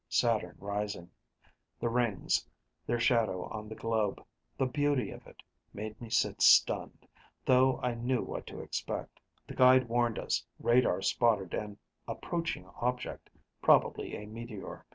Saturn rising. The rings, their shadow on the globe, the beauty of it, made me sit stunned, though I knew what to expect. The guide warned us radar spotted an approaching object, probably a meteor.